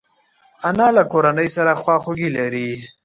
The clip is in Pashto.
انا له کورنۍ سره خواخوږي لري